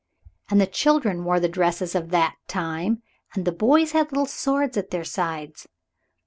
And the children wore the dresses of that time and the boys had little swords at their sides.